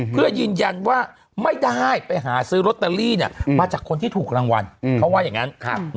เพื่อยืนยันว่าไม่ได้ไปหาซื้อลอตเตอรี่มาจากคนที่ถูกรางวัลเขาว่าอย่างนั้น